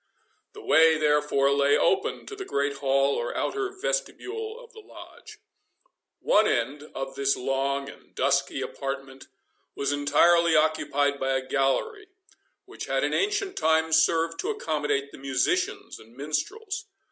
The way, therefore, lay open to the great hall or outer vestibule of the Lodge. One end of this long and dusky apartment was entirely occupied by a gallery, which had in ancient times served to accommodate the musicians and minstrels.